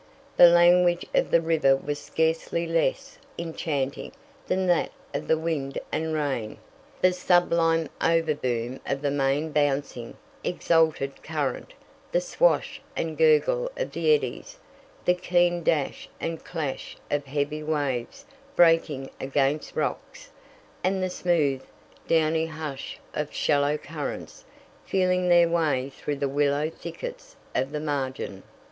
The language of the river was scarcely less enchanting than that of the wind and rain; the sublime overboom of the main bouncing, exulting current, the swash and gurgle of the eddies, the keen dash and clash of heavy waves breaking against rocks, and the smooth, downy hush of shallow currents feeling their way through the willow thickets of the margin.